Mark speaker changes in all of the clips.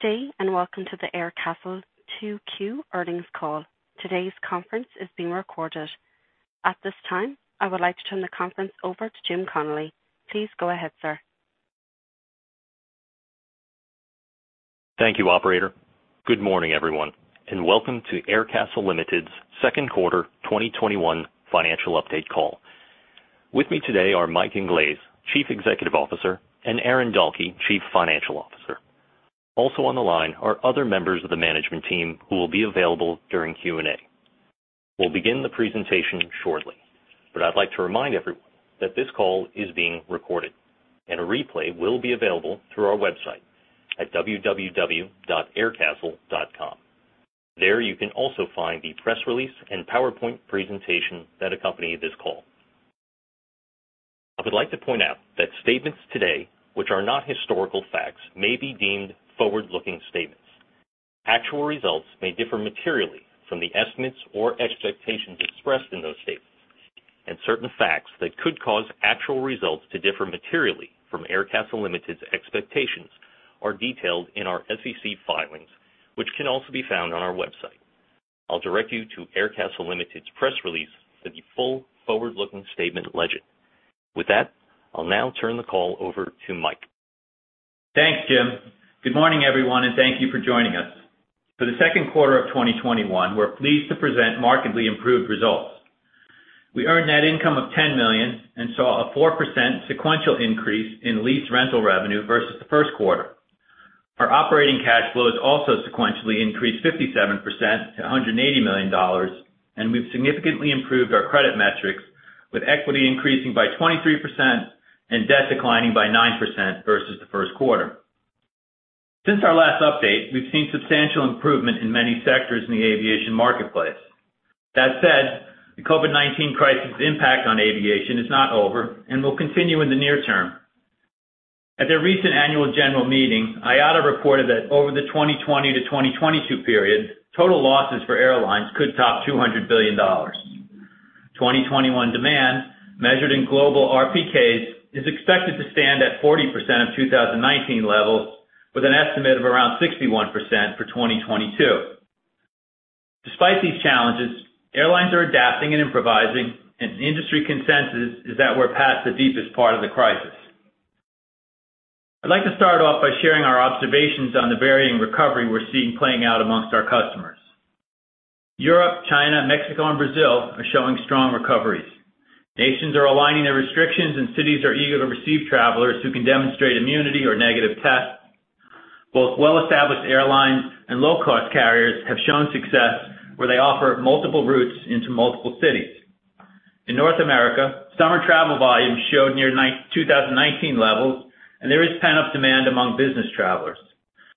Speaker 1: Good day, and welcome to the Aircastle 2Q earnings call. Today's conference is being recorded. At this time, I would like to turn the conference over to Jim Connelly. Please go ahead, sir.
Speaker 2: Thank you, Operator. Good morning, everyone, and welcome to Aircastle Limited's second quarter 2021 financial update call. With me today are Mike Inglese, Chief Executive Officer, and Aaron Dahlke, Chief Financial Officer. Also on the line are other members of the management team who will be available during Q&A. We'll begin the presentation shortly, but I'd like to remind everyone that this call is being recorded, and a replay will be available through our website at www.aircastle.com. There, you can also find the press release and PowerPoint presentation that accompany this call. I would like to point out that statements today, which are not historical facts, may be deemed forward-looking statements. Actual results may differ materially from the estimates or expectations expressed in those statements, and certain facts that could cause actual results to differ materially from Aircastle Limited's expectations are detailed in our SEC filings, which can also be found on our website. I'll direct you to Aircastle Limited's press release for the full forward-looking statement legend. With that, I'll now turn the call over to Mike.
Speaker 3: Thanks, Jim. Good morning, everyone, and thank you for joining us. For the second quarter of 2021, we're pleased to present markedly improved results. We earned net income of $10 million and saw a 4% sequential increase in lease rental revenue versus the first quarter. Our operating cash flow has also sequentially increased 57% to $180 million, and we've significantly improved our credit metrics, with equity increasing by 23% and debt declining by 9% versus the first quarter. Since our last update, we've seen substantial improvement in many sectors in the aviation marketplace. That said, the COVID-19 crisis impact on aviation is not over and will continue in the near term. At their recent annual general meeting, IATA reported that over the 2020-2022 period, total losses for airlines could top $200 billion. 2021 demand, measured in global RPKS, is expected to stand at 40% of 2019 levels, with an estimate of around 61% for 2022. Despite these challenges, airlines are adapting and improvising, and industry consensus is that we're past the deepest part of the crisis. I'd like to start off by sharing our observations on the varying recovery we're seeing playing out amongst our customers. Europe, China, Mexico, and Brazil are showing strong recoveries. Nations are aligning their restrictions, and cities are eager to receive travelers who can demonstrate immunity or negative tests. Both well-established airlines and low-cost carriers have shown success where they offer multiple routes into multiple cities. In North America, summer travel volumes showed near 2019 levels, and there is pent-up demand among business travelers.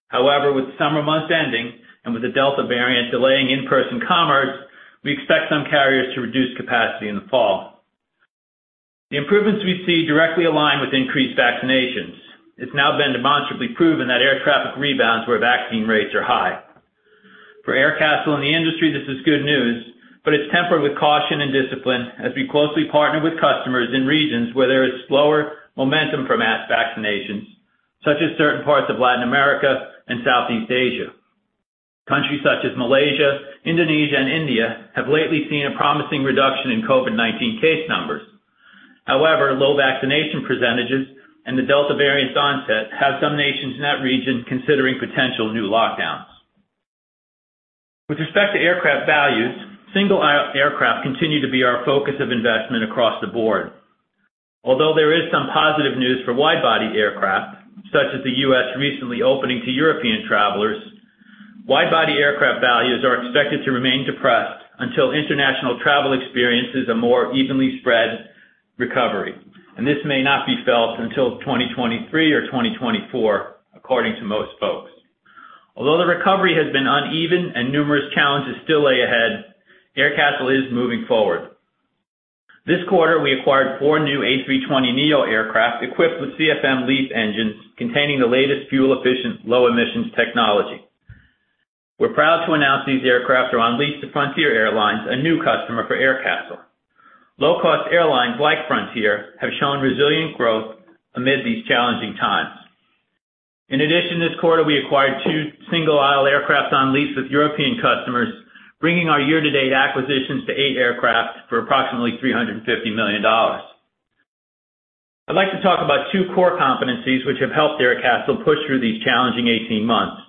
Speaker 3: However, with summer months ending and with the Delta variant delaying in-person commerce, we expect some carriers to reduce capacity in the fall. The improvements we see directly align with increased vaccinations. It's now been demonstrably proven that air traffic rebounds where vaccine rates are high. For Aircastle and the industry, this is good news, but it's tempered with caution and discipline as we closely partner with customers in regions where there is slower momentum from mass vaccinations, such as certain parts of Latin America and Southeast Asia. Countries such as Malaysia, Indonesia, and India have lately seen a promising reduction in COVID-19 case numbers. However, low vaccination percentages and the Delta variant's onset have some nations in that region considering potential new lockdowns. With respect to aircraft values, single-aisle aircraft continue to be our focus of investment across the board. Although there is some positive news for wide-body aircraft, such as the U.S. recently opening to European travelers, wide-body aircraft values are expected to remain depressed until international travel experiences a more evenly spread recovery, and this may not be felt until 2023 or 2024, according to most folks. Although the recovery has been uneven and numerous challenges still lay ahead, Aircastle is moving forward. This quarter, we acquired four new A320neo aircraft equipped with CFM LEAP engines containing the latest fuel-efficient, low-emissions technology. We're proud to announce these aircraft are on lease to Frontier Airlines, a new customer for Aircastle. Low-cost airlines like Frontier have shown resilient growth amid these challenging times. In addition, this quarter, we acquired two single-aisle aircraft on lease with European customers, bringing our year-to-date acquisitions to eight aircraft for approximately $350 million. I'd like to talk about two core competencies which have helped Aircastle push through these challenging 18 months,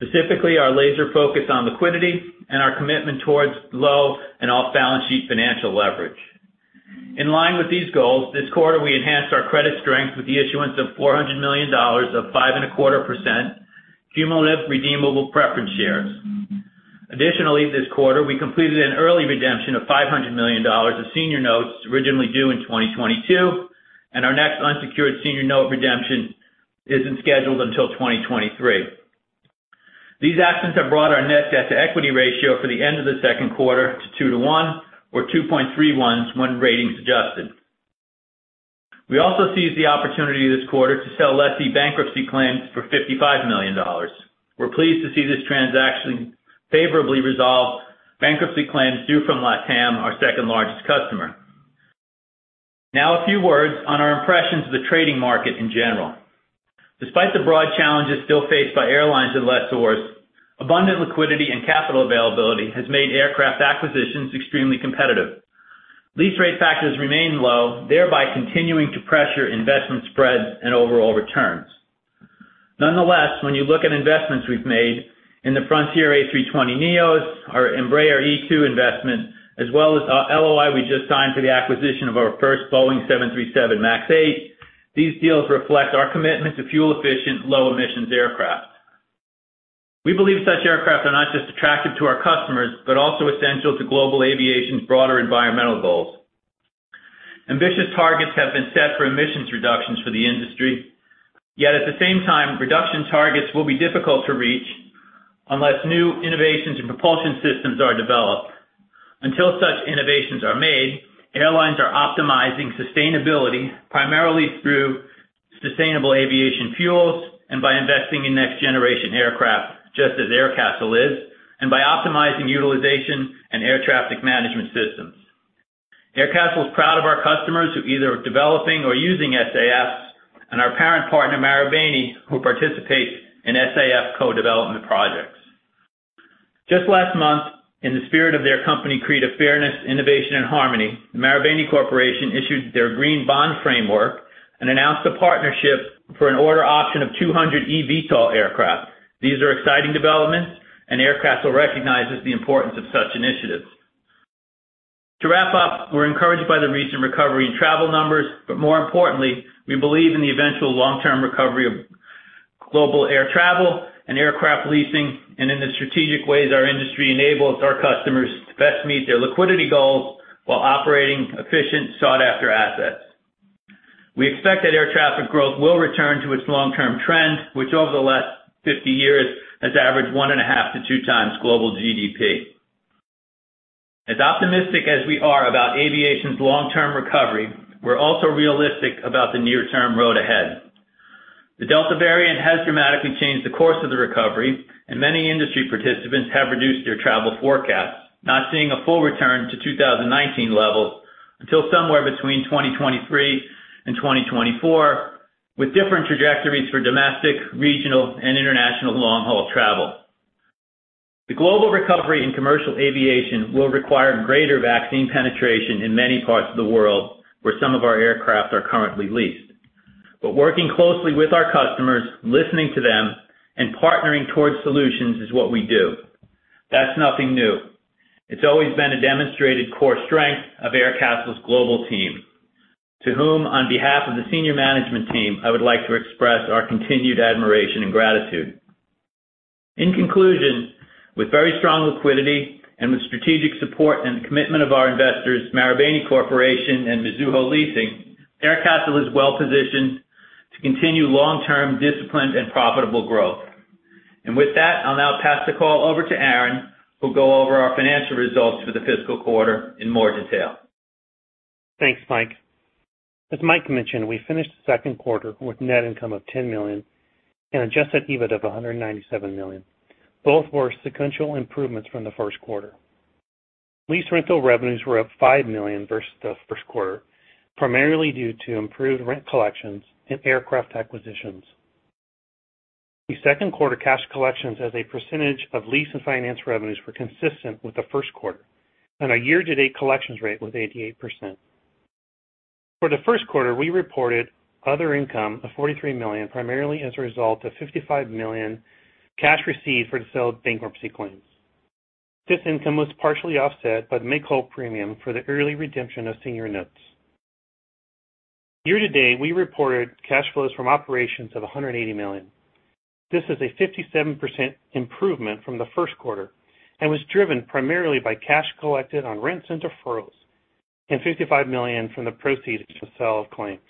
Speaker 3: specifically our laser focus on liquidity and our commitment towards low and off-balance-sheet financial leverage. In line with these goals, this quarter, we enhanced our credit strength with the issuance of $400 million of 5.25% cumulative redeemable preference shares. Additionally, this quarter, we completed an early redemption of $500 million of senior notes originally due in 2022, and our next unsecured senior note redemption isn't scheduled until 2023. These actions have brought our net debt-to-equity ratio for the end of the second quarter to 2:1, or 2.31 when ratings adjusted. We also seized the opportunity this quarter to settle lessee bankruptcy claims for $55 million. We're pleased to see this transaction favorably resolve bankruptcy claims due from LATAM, our second-largest customer. A few words on our impressions of the trading market in general. Despite the broad challenges still faced by airlines and lessors, abundant liquidity and capital availability has made aircraft acquisitions extremely competitive. lease rate factors remain low, thereby continuing to pressure investment spreads and overall returns. When you look at investments we've made in the Frontier A320neos, our Embraer E2 investment, as well as our LOI we just signed for the acquisition of our first Boeing 737 MAX 8, these deals reflect our commitment to fuel-efficient, low-emissions aircraft. We believe such aircraft are not just attractive to our customers, but also essential to global aviation's broader environmental goals. Ambitious targets have been set for emissions reductions for the industry. At the same time, reduction targets will be difficult to reach unless new innovations and propulsion systems are developed. Until such innovations are made, airlines are optimizing sustainability primarily through sustainable aviation fuels and by investing in next-generation aircraft, just as Aircastle is, and by optimizing utilization and air traffic management systems. Aircastle's proud of our customers who either are developing or using SAFs, and our parent partner, Marubeni, who participates in SAF co-development projects. Just last month, in the spirit of their company creed of fairness, innovation and harmony, Marubeni Corporation issued their green bond framework and announced a partnership for an order option of 200 eVTOL aircraft. These are exciting developments, and Aircastle recognizes the importance of such initiatives. To wrap up, we're encouraged by the recent recovery in travel numbers. More importantly, we believe in the eventual long-term recovery of global air travel and aircraft leasing, and in the strategic ways our industry enables our customers to best meet their liquidity goals while operating efficient, sought-after assets. We expect that air traffic growth will return to its long-term trend, which over the last 50 years has averaged 1.5x-2x global GDP. As optimistic as we are about aviation's long-term recovery, we're also realistic about the near-term road ahead. The Delta variant has dramatically changed the course of the recovery. Many industry participants have reduced their travel forecasts, not seeing a full return to 2019 levels until somewhere between 2023 and 2024, with different trajectories for domestic, regional, and international long-haul travel. The global recovery in commercial aviation will require greater vaccine penetration in many parts of the world where some of our aircraft are currently leased. Working closely with our customers, listening to them, and partnering towards solutions is what we do. That's nothing new. It's always been a demonstrated core strength of Aircastle's global team, to whom, on behalf of the senior management team, I would like to express our continued admiration and gratitude. In conclusion, with very strong liquidity and with strategic support and commitment of our investors, Marubeni Corporation and Mizuho Leasing, Aircastle is well-positioned to continue long-term, disciplined, and profitable growth. With that, I'll now pass the call over to Aaron, who'll go over our financial results for the fiscal quarter in more detail.
Speaker 4: Thanks, Mike. As Mike mentioned, we finished the second quarter with net income of $10 million and adjusted EBIT of $197 million. Both were sequential improvements from the first quarter. Lease rental revenues were up $5 million versus the first quarter, primarily due to improved rent collections and aircraft acquisitions. The second quarter cash collections as a percentage of lease and finance revenues were consistent with the first quarter, and our year-to-date collections rate was 88%. For the first quarter, we reported other income of $43 million, primarily as a result of $55 million cash received for the sale of bankruptcy claims. This income was partially offset by the make-whole premium for the early redemption of senior notes. Year-to-date, we reported cash flows from operations of $180 million. This is a 57% improvement from the first quarter and was driven primarily by cash collected on rents and deferrals and $55 million from the proceeds from sale of claims.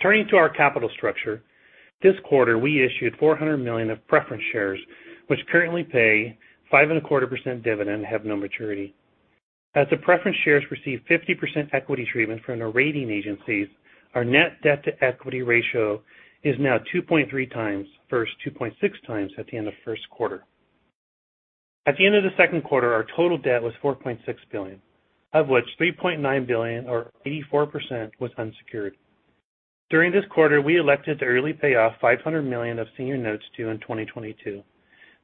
Speaker 4: Turning to our capital structure, this quarter we issued $400 million of preference shares, which currently pay 5.25% dividend and have no maturity. As the preference shares receive 50% equity treatment from the rating agencies, our net debt-to-equity ratio is now 2.3x versus 2.6x at the end of first quarter. At the end of the second quarter, our total debt was $4.6 billion, of which $3.9 billion or 84% was unsecured. During this quarter, we elected to early pay off $500 million of senior notes due in 2022.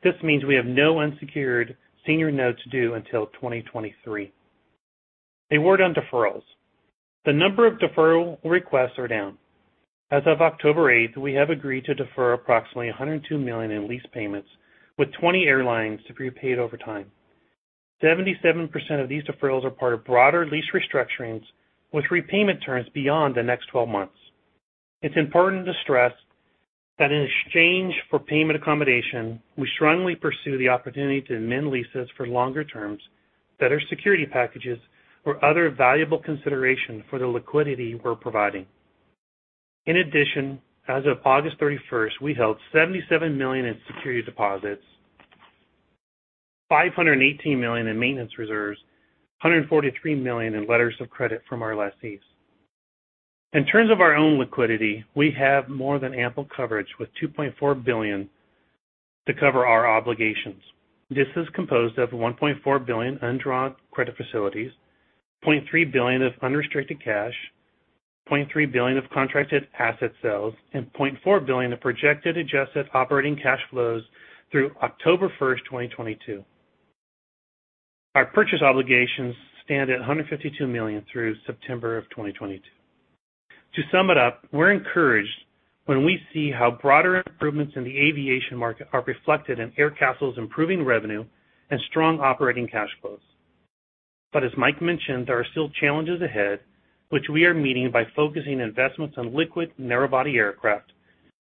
Speaker 4: This means we have no unsecured senior notes due until 2023. A word on deferrals. The number of deferral requests are down. As of October 8th, we have agreed to defer approximately $102 million in lease payments with 20 airlines to be paid over time. 77% of these deferrals are part of broader lease restructurings with repayment terms beyond the next 12 months. It's important to stress that in exchange for payment accommodation, we strongly pursue the opportunity to amend leases for longer terms, better security packages, or other valuable consideration for the liquidity we're providing. In addition, as of August 31st, we held $77 million in security deposits, $518 million in maintenance reserves, $143 million in letters of credit from our lessees. In terms of our own liquidity, we have more than ample coverage with $2.4 billion to cover our obligations. This is composed of $1.4 billion undrawn credit facilities, $0.3 billion of unrestricted cash, $0.3 billion of contracted asset sales, and $0.4 billion of projected adjusted operating cash flows through October 1st, 2022. Our purchase obligations stand at $152 million through September of 2022. To sum it up, we're encouraged when we see how broader improvements in the aviation market are reflected in Aircastle's improving revenue and strong operating cash flows. As Mike mentioned, there are still challenges ahead, which we are meeting by focusing investments on liquid narrow-body aircraft,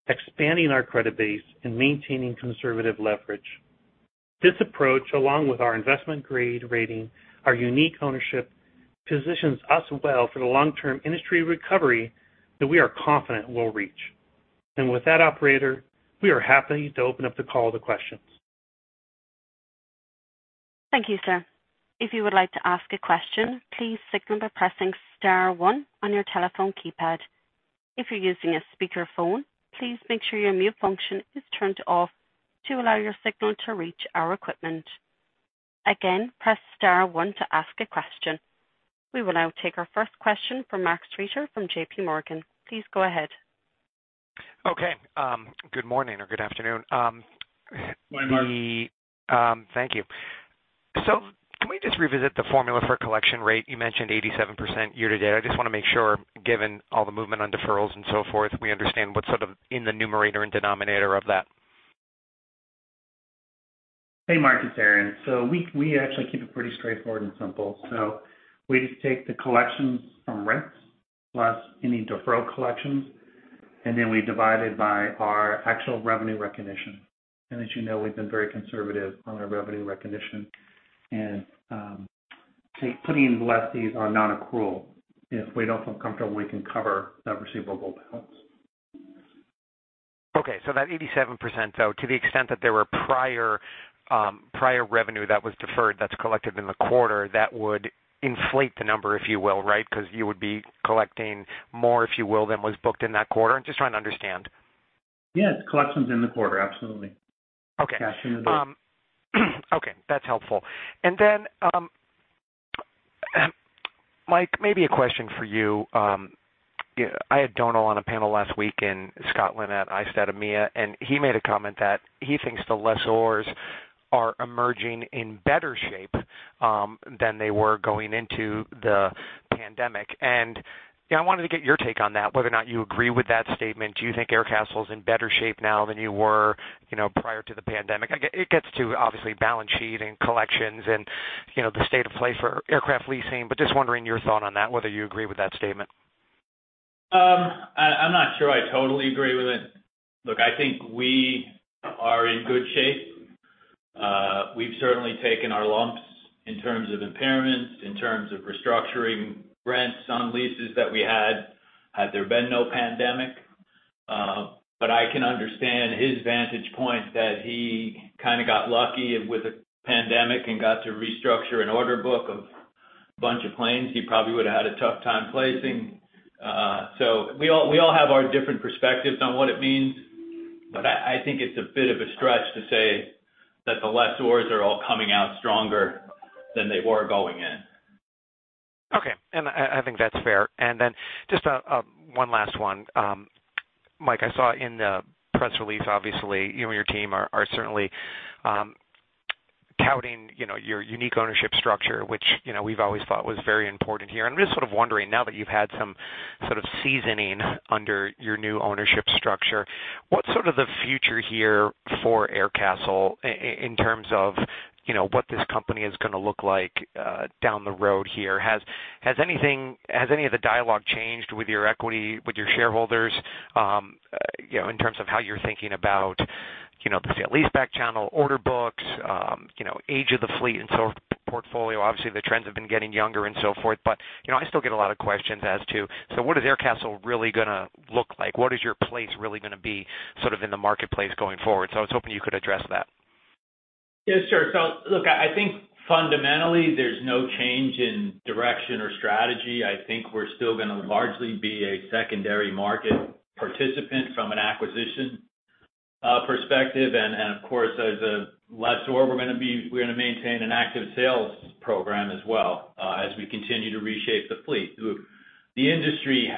Speaker 4: expanding our credit base, and maintaining conservative leverage. This approach, along with our investment-grade rating, our unique ownership, positions us well for the long-term industry recovery that we are confident we'll reach. With that, Operator, we are happy to open up the call to questions.
Speaker 1: Thank you, sir. If you would like to ask a question, please signal by pressing star one on your telephone keypad. If you are using a speaker phone, please make sure your mute function is turned off to allow your signal to reach our equipment. Again, press star one to ask a question. We will now take our first question from Mark Streeter from JPMorgan. Please go ahead.
Speaker 5: Okay. Good morning or good afternoon.
Speaker 3: Good morning, Mark.
Speaker 5: Thank you. Can we just revisit the formula for collection rate? You mentioned 87% year-to-date. I just want to make sure, given all the movement on deferrals and so forth, we understand what's in the numerator and denominator of that.
Speaker 4: Hey, Mark. It's Aaron. We actually keep it pretty straightforward and simple. We just take the collections from rents plus any deferral collections, we divide it by our actual revenue recognition. As you know, we've been very conservative on our revenue recognition and putting in lessees on non-accrual if we don't feel comfortable we can cover that receivable balance.
Speaker 5: That 87%, though, to the extent that there were prior revenue that was deferred that's collected in the quarter, that would inflate the number, if you will, right? Because you would be collecting more, if you will, than was booked in that quarter. I'm just trying to understand.
Speaker 4: Yes. Collections in the quarter. Absolutely.
Speaker 5: Okay. Okay. That's helpful. Then, Mike, maybe a question for you. I had Donal on a panel last week in Scotland at ISTAT EMEA, and he made a comment that he thinks the lessors are emerging in better shape than they were going into the pandemic. I wanted to get your take on that, whether or not you agree with that statement. Do you think Aircastle's in better shape now than you were prior to the pandemic? It gets to, obviously, balance sheet and collections and the state of play for aircraft leasing. Just wondering your thought on that, whether you agree with that statement.
Speaker 3: I'm not sure I totally agree with it. Look, I think we are in good shape. We've certainly taken our lumps in terms of impairments, in terms of restructuring rents on leases that we had there been no pandemic. I can understand his vantage point that he kind of got lucky with the pandemic and got to restructure an order book of a bunch of planes he probably would've had a tough time placing. We all have our different perspectives on what it means, but I think it's a bit of a stretch to say that the lessors are all coming out stronger than they were going in.
Speaker 5: Okay. I think that's fair. Just one last one. Mike, I saw in the press release, obviously, you and your team are certainly touting your unique ownership structure, which we've always thought was very important here. I'm just sort of wondering now that you've had some sort of seasoning under your new ownership structure, what's sort of the future here for Aircastle in terms of what this company is going to look like down the road here? Has any of the dialogue changed with your equity, with your shareholders, in terms of how you're thinking about the sale-leaseback channel, order books, age of the fleet, and so portfolio? The trends have been getting younger and so forth, but I still get a lot of questions as to what is Aircastle really going to look like? What is your place really going to be in the marketplace going forward? I was hoping you could address that.
Speaker 3: Yeah, sure. Look, I think fundamentally, there's no change in direction or strategy. I think we're still going to largely be a secondary market participant from an acquisition perspective. Of course, as a lessor, we're going to maintain an active sales program as well, as we continue to reshape the fleet. The industry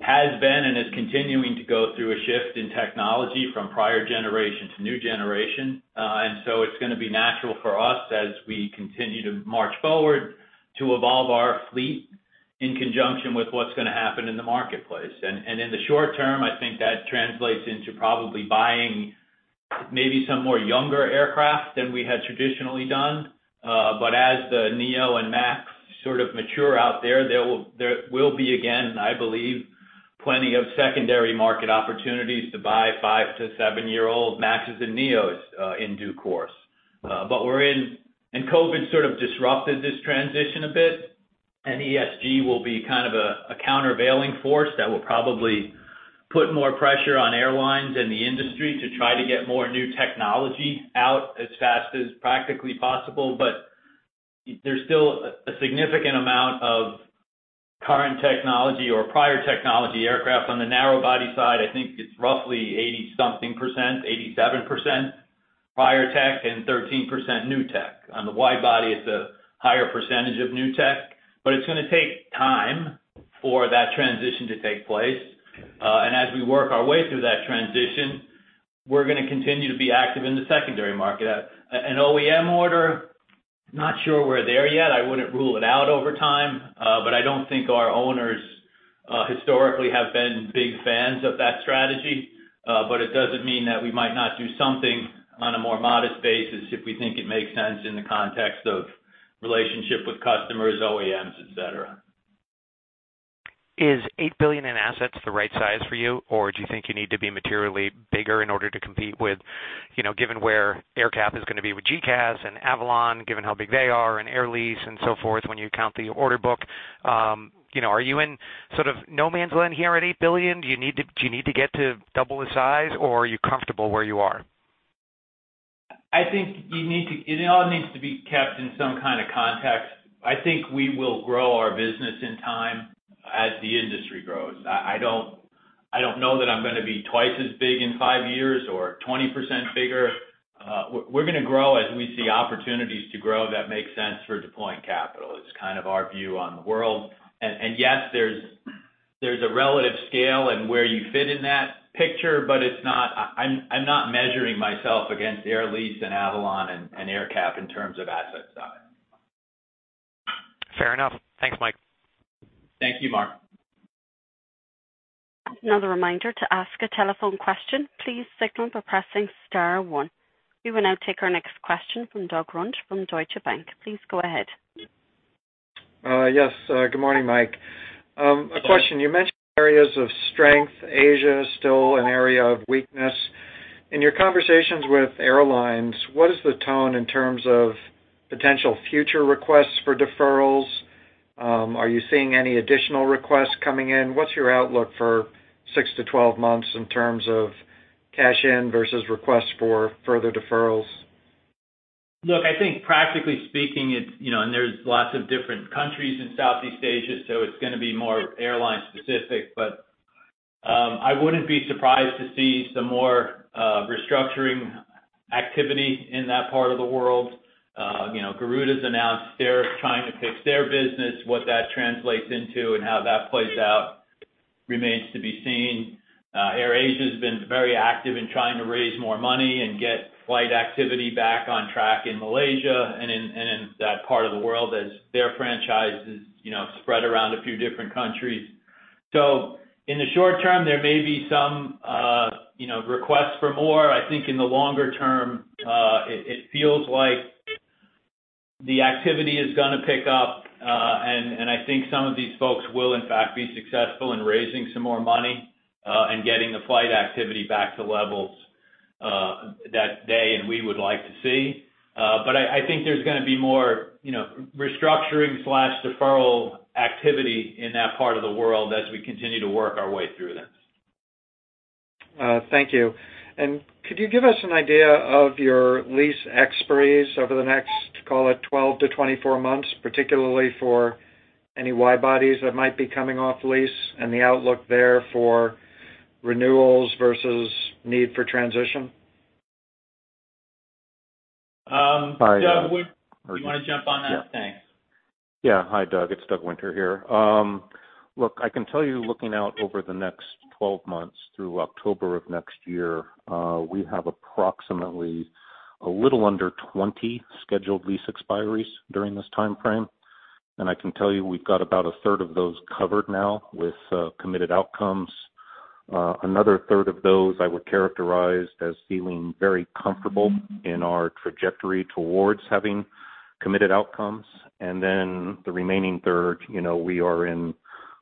Speaker 3: has been and is continuing to go through a shift in technology from prior generation to new generation. It's going to be natural for us as we continue to march forward to evolve our fleet in conjunction with what's going to happen in the marketplace. In the short term, I think that translates into probably buying maybe some more younger aircraft than we had traditionally done. As the neo and MAX sort of mature out there will be again, I believe, plenty of secondary market opportunities to buy five to seven-year-old MAXes and neos in due course. We're in and COVID sort of disrupted this transition a bit, and ESG will be kind of a countervailing force that will probably put more pressure on airlines and the industry to try to get more new technology out as fast as practically possible. There's still a significant amount of current technology or prior technology aircraft on the narrow body side. I think it's roughly 80-something percent, 87% prior tech and 13% new tech. On the wide body, it's a higher percentage of new tech, but it's going to take time for that transition to take place. As we work our way through that transition, we're going to continue to be active in the secondary market. An OEM order, not sure we're there yet. I wouldn't rule it out over time, but I don't think our owners, historically, have been big fans of that strategy. It doesn't mean that we might not do something on a more modest basis if we think it makes sense in the context of relationship with customers, OEMs, et cetera.
Speaker 5: Is $8 billion in assets the right size for you, or do you think you need to be materially bigger in order to compete with, given where AerCap is going to be with GECAS and Avolon, given how big they are, and Air Lease and so forth, when you count the order book? Are you in sort of no man's land here at $8 billion? Do you need to get to double the size, or are you comfortable where you are?
Speaker 3: I think it all needs to be kept in some kind of context. I think we will grow our business in time as the industry grows. I don't know that I'm going to be twice as big in five years or 20% bigger. We're going to grow as we see opportunities to grow that make sense for deploying capital. It's kind of our view on the world. Yes, there's a relative scale and where you fit in that picture, but I'm not measuring myself against Air Lease and Avolon and AerCap in terms of asset size.
Speaker 5: Fair enough. Thanks, Mike.
Speaker 3: Thank you. Mark.
Speaker 1: Another reminder to ask a telephone question, please signal by pressing star one. We will now take our next question from Doug [Runte] from Deutsche Bank. Please go ahead.
Speaker 6: Yes. Good morning, Mike.
Speaker 3: Good morning.
Speaker 6: A question. You mentioned areas of strength. Asia is still an area of weakness. In your conversations with airlines, what is the tone in terms of potential future requests for deferrals? Are you seeing any additional requests coming in? What's your outlook for 6-12 months in terms of cash in versus requests for further deferrals?
Speaker 3: Look, I think practically speaking, and there's lots of different countries in Southeast Asia, so it's going to be more airline specific. I wouldn't be surprised to see some more restructuring activity in that part of the world. Garuda's announced they're trying to fix their business. What that translates into and how that plays out remains to be seen. AirAsia has been very active in trying to raise more money and get flight activity back on track in Malaysia and in that part of the world as their franchises spread around a few different countries. In the short term, there may be some requests for more. I think in the longer term, it feels like the activity is going to pick up, and I think some of these folks will in fact, be successful in raising some more money, and getting the flight activity back to levels that they and we would like to see. I think there's going to be more restructuring/deferral activity in that part of the world as we continue to work our way through this.
Speaker 6: Thank you. Could you give us an idea of your lease expiries over the next, call it 12-24 months, particularly for any wide bodies that might be coming off lease and the outlook there for renewals versus need for transition?
Speaker 3: Doug, do you want to jump on that? Thanks.
Speaker 7: Hi, Doug. It's Doug Winter here. Look, I can tell you, looking out over the next 12 months through October of next year, we have approximately a little under 20 scheduled lease expiries during this timeframe. I can tell you we've got about a third of those covered now with committed outcomes. Another third of those I would characterize as feeling very comfortable in our trajectory towards having committed outcomes. The remaining third, we are in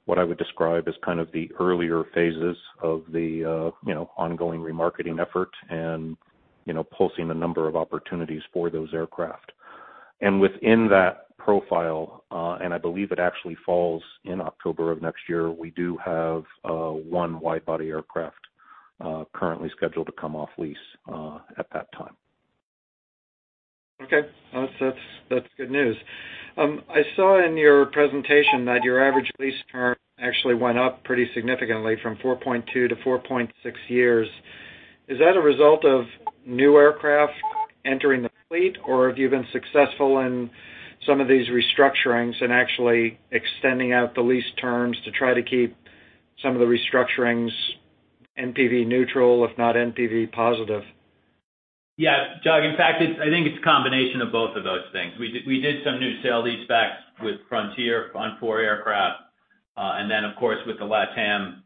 Speaker 7: what I would describe as kind of the earlier phases of the ongoing remarketing effort and pulsing a number of opportunities for those aircraft. Within that profile, and I believe it actually falls in October of next year, we do have one wide-body aircraft, currently scheduled to come off lease at that time.
Speaker 6: Okay. That's good news. I saw in your presentation that your average lease term actually went up pretty significantly from 4.2 to 4.6 years. Is that a result of new aircraft entering the fleet, or have you been successful in some of these restructurings and actually extending out the lease terms to try to keep some of the restructurings NPV neutral, if not NPV positive?
Speaker 3: Yeah, Doug. In fact, I think it's a combination of both of those things. We did some new sale-leasebacks with Frontier on four aircraft. Of course, with the LATAM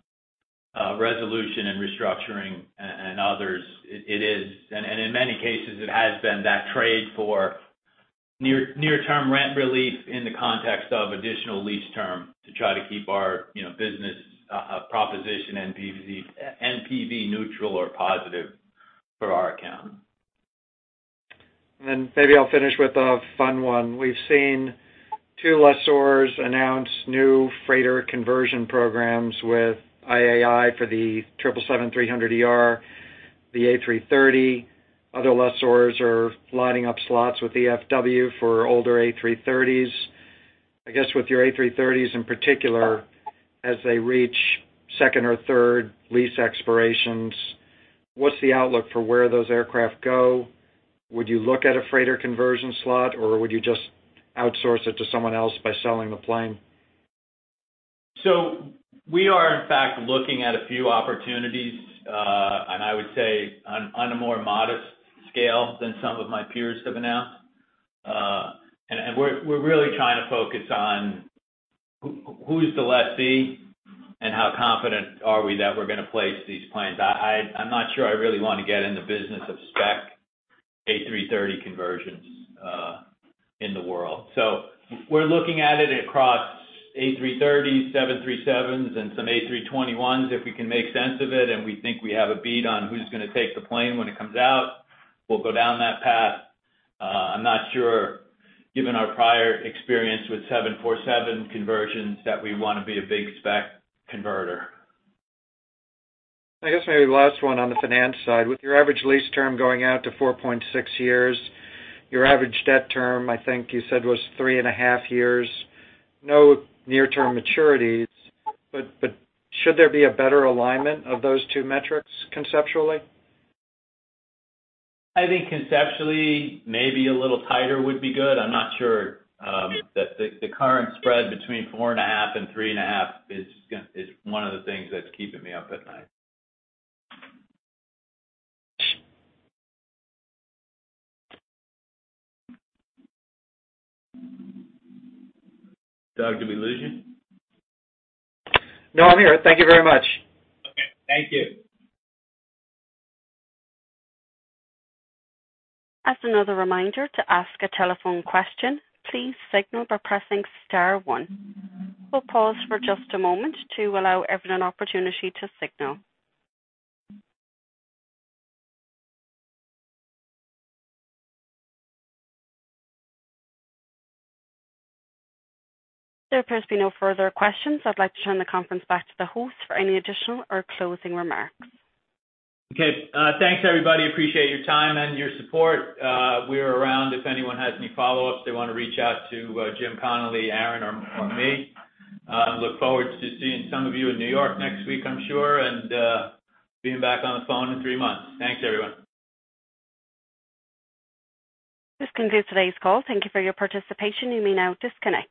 Speaker 3: resolution and restructuring and others, and in many cases, it has been that trade for near-term rent relief in the context of additional lease term to try to keep our business proposition NPV neutral or positive for our account.
Speaker 6: Maybe I'll finish with a fun one. We've seen two lessors announce new freighter conversion programs with IAI for the 777-300ER. The A330, other lessors are lining up slots with EFW for older A330s. I guess with your A330s in particular, as they reach second or third lease expirations, what's the outlook for where those aircraft go? Would you look at a freighter conversion slot, or would you just outsource it to someone else by selling the plane?
Speaker 3: We are, in fact, looking at a few opportunities, and I would say on a more modest scale than some of my peers have announced. We're really trying to focus on who's the lessee and how confident are we that we're going to place these planes. I'm not sure I really want to get in the business of spec A330 conversions in the world. We're looking at it across A330, 737s, and some A321s if we can make sense of it and we think we have a bead on who's going to take the plane when it comes out. We'll go down that path. I'm not sure, given our prior experience with 747 conversions, that we want to be a big spec converter.
Speaker 6: I guess maybe last one on the finance side. With your average lease term going out to 4.6 years, your average debt term, I think you said, was 3.5 years. No near-term maturities. Should there be a better alignment of those two metrics conceptually?
Speaker 3: I think conceptually, maybe a little tighter would be good. I am not sure that the current spread between 4.5 and 3.5 is one of the things that is keeping me up at night. Doug, did we lose you?
Speaker 6: No, I'm here. Thank you very much.
Speaker 3: Okay. Thank you.
Speaker 1: As another reminder, to ask a telephone question, please signal by pressing star one. We'll pause for just a moment to allow everyone an opportunity to signal. There appears to be no further questions. I'd like to turn the conference back to the host for any additional or closing remarks.
Speaker 3: Okay. Thanks, everybody. Appreciate your time and your support. We're around if anyone has any follow-ups they want to reach out to Jim Connelly, Aaron, or me. Look forward to seeing some of you in New York next week, I'm sure, and being back on the phone in three months. Thanks, everyone.
Speaker 1: This concludes today's call. Thank you for your participation. You may now disconnect.